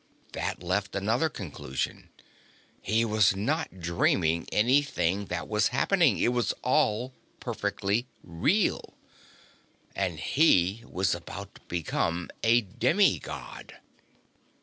That left another conclusion. He was not dreaming anything that was happening. It was all perfectly real. And he was about to become a demi God.